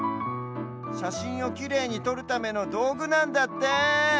しゃしんをきれいにとるためのどうぐなんだって！